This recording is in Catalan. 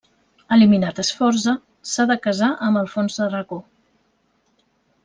Eliminat Sforza, s'ha de casar amb Alfons d'Aragó.